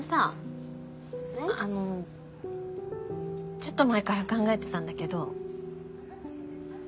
ちょっと前から考えてたんだけど。